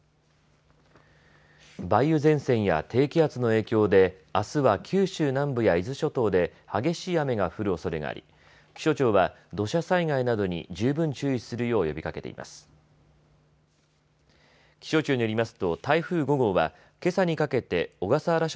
梅雨前線や低気圧の影響であすは九州南部や伊豆諸島で激しい雨が降るおそれがあり気象庁は土砂災害などに十分注意するよう呼びかけています。